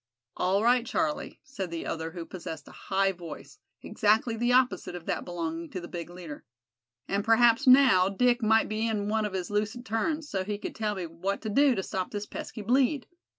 "All right, Charlie," said the other, who possessed a high voice, exactly the opposite of that belonging to the big leader. "And p'raps, now, Dick might be in one of his lucid turns, so he could tell me what to do to stop this pesky bleed.